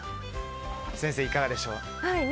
先生、いかがでしょう？